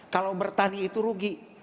kalau bertani itu rugi